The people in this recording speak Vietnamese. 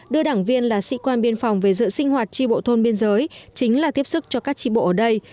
đưa đảng viên là sĩ quan biên phòng về dự sinh hoạt tri bộ thôn biên giới chính là tiếp sức cho các tri bộ ở đây